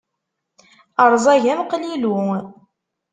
Rẓag am qlilu.